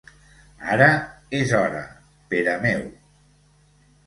Ara és hora, Pere meu!